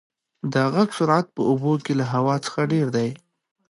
د غږ سرعت په اوبو کې له هوا څخه ډېر دی.